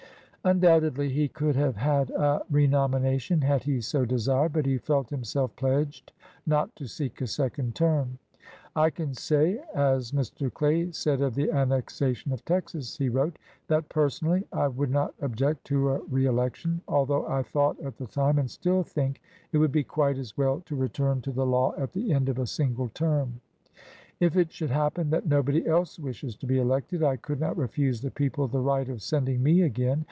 Undoubtedly he could have had a renomination had he so desired, but he felt himself pledged not to seek a second term. "I can say, as Mr. Clay said of the annexation of Texas," he wrote, "that 'personally I would not object' to a reelection, although I thought at the time, and still think, it would be quite as well to return to the law at the end of a single term. ... If it should happen that nobody else wishes to be elected, I could not refuse the people the right of sending me again.